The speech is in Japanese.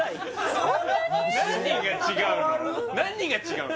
何が違うの？